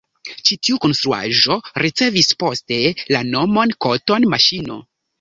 Ĉi tiu konstruaĵo ricevis poste la nomon „koton-maŝino“.